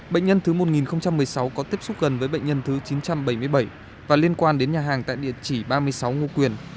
bệnh nhân thứ một nghìn một mươi sáu có tiếp xúc gần với bệnh nhân thứ chín trăm bảy mươi bảy và liên quan đến nhà hàng tại địa chỉ ba mươi sáu ngo quyền